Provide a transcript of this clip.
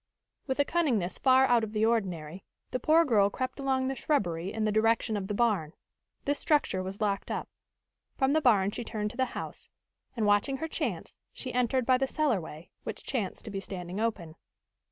With a cunningness far out of the ordinary, the poor girl crept along the shrubbery in the direction of the barn. This structure was locked up. From the barn she turned to the house, and, watching her chance, she entered by the cellar way, which chanced to be standing open.